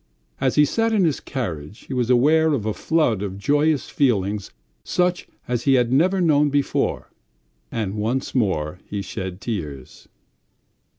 As he sat in his carriage he was aware of a flood of joyous feelings such as he had never known before, and once more he shed tears.